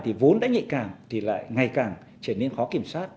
thì vốn đã nhạy cảm thì lại ngày càng trở nên khó kiểm soát